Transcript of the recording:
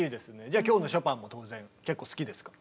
じゃあ今日のショパンも当然結構好きですか。